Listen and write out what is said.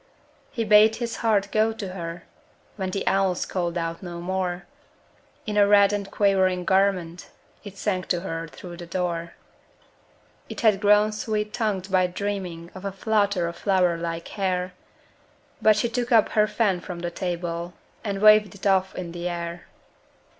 He bade his heart go to her, When the owls called out no more; In a red and quivering garment It sang to her through the door. It had grown sweet tongued by dreaming Of a flutter of flower like hair; But she took up her fan from the table And waved it off on the air.